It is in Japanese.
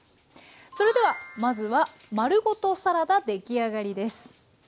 それではまずは丸ごとサラダ出来上がりです。